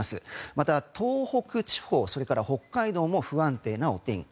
また、東北地方それから北海道も不安定なお天気。